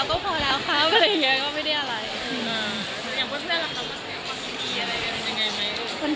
อย่างเพื่อนแล้วเขาว่าสิ่งดีอะไรกันยังไงไหม